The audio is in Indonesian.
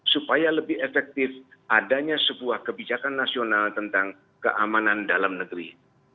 supaya lebih efektif adanya sebuah kebijakan nasional tentang keamanan dalam negeri